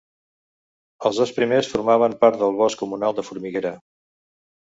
Els dos primers formaven part del Bosc Comunal de Formiguera.